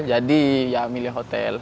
jadi ya milih hotel